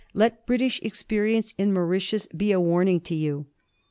Let British experience in Mauritius be a warning to you.